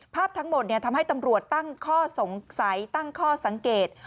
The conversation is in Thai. ภาพทั้งหมดทำให้ตำรวจตั้งข้อสงสัยตั้งข้อสังเกต